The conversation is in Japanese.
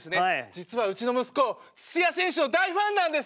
実はうちの息子土谷選手の大ファンなんです！